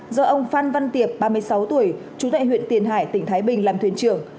do ông phan văn tiệp ba mươi sáu tuổi trú tại huyện tiền hải tỉnh thái bình làm thuyền trưởng